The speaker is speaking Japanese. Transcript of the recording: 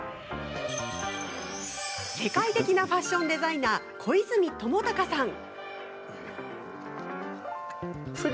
世界的なファッションデザイナー小泉智貴さん。